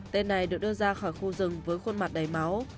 tên này được đưa ra khỏi khu rừng với khuôn mặt đầy máu